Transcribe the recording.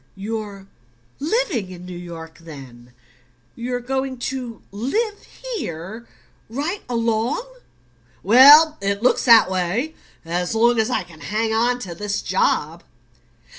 "You're LIVING in New York, then you're going to live here right along?" "Well, it looks that way; as long as I can hang on to this job.